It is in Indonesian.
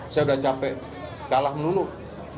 saya sudah capek kalah meluluk